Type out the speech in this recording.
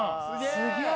すげえ！